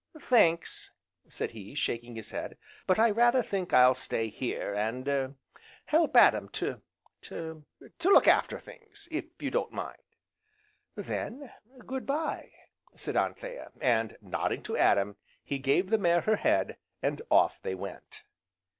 "Thanks," said he, shaking his head, "but I rather think I'll stay here, and er help Adam to to look after things, if you don't mind." "Then, 'Good bye!'" said Anthea, and, nodding to Adam, he gave the mare her head, and off they went.